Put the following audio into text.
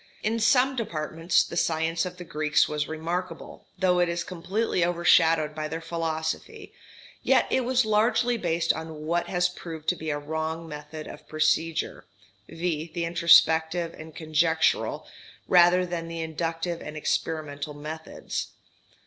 In some departments the science of the Greeks was remarkable, though it is completely overshadowed by their philosophy; yet it was largely based on what has proved to be a wrong method of procedure, viz the introspective and conjectural, rather than the inductive and experimental methods.